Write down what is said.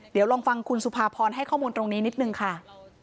เดี๋ยวลองฟังคุณสุภาพรให้ข้อมูลตรงนี้นิดนึงค่ะ